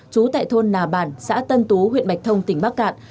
trú tại thôn nà bản xã tân tú huyện bạch thông tỉnh bắc cạn